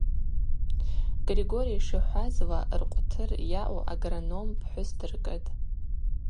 Григорий йшихӏвазла ркъвтыр йауу агроном пхӏвыс дыркӏытӏ.